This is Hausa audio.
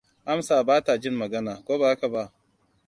Amsa ba ta jin magana, ko ba haka ba?